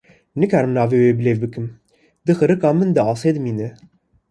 Nikarim navê wê bilêv bikim, di qirika min de asê dimîne.